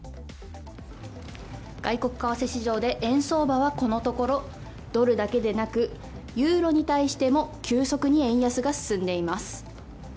外国為替市場で、円相場はこのところ、ドルだけでなく、ユーロに対しても急速に円安が進んでいます。